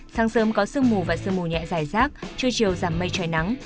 sáng sớm có sương mù và sương mù nhẹ dài rác trưa chiều giảm mây trời nắng